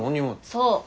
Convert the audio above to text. そう。